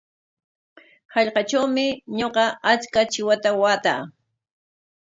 Hallqatrawmi ñuqa achka chiwata waataa.